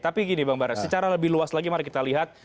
tapi gini bang bara secara lebih luas lagi mari kita lihat